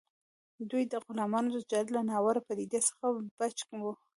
دوی د غلامانو د تجارت له ناوړه پدیدې څخه بچ وو.